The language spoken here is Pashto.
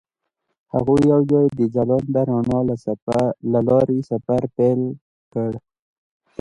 هغوی یوځای د ځلانده رڼا له لارې سفر پیل کړ.